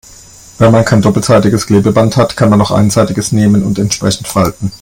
Wenn man kein doppelseitiges Klebeband hat, kann man auch einseitiges nehmen und entsprechend falten.